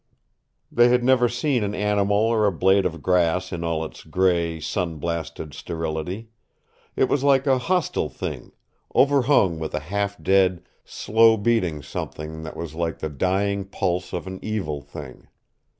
They had never seen an animal or a blade of grass in all its gray, sun blasted sterility. It was like a hostile thing, overhung with a half dead, slow beating something that was like the dying pulse of an evil thing.